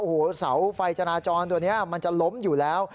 โอ้โหเสาไฟจราจรตัวนี้มันจะล้มอยู่แล้ว